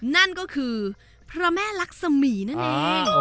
นั่นก็คือพระแม่ลักษมีนั่นเอง